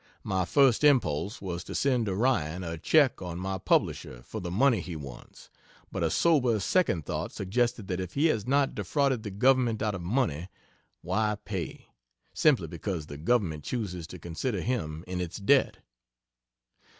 My first impulse was to send Orion a check on my publisher for the money he wants, but a sober second thought suggested that if he has not defrauded the government out of money, why pay, simply because the government chooses to consider him in its debt?